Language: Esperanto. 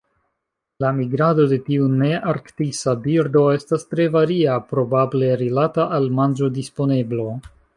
La migrado de tiu nearktisa birdo estas tre varia, probable rilata al manĝodisponeblo.